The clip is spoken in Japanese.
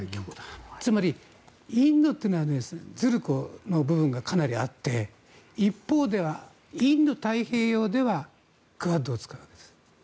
つまり、インドというのはずるの部分がかなりあって一方ではインド太平洋ではクアッドを使うわけです。